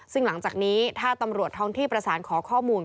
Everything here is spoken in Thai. ซึ่งหลังจากนี้ถ้าตำรวจท้องที่ประสานขอข้อมูล